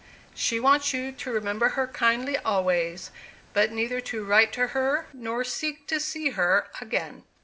She wants you to remember her kindly always, but neither to write to her, nor seek to see her again."